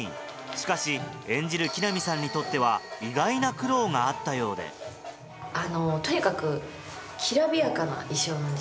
しかし演じる木南さんにとってはとにかくきらびやかな衣装なんですね。